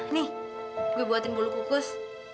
nih gue buatin bulu kukus